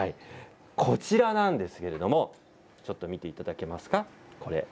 こちらなんですけれどちょっと見ていただけますか。